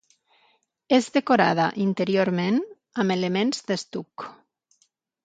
És decorada, interiorment, amb elements d'estuc.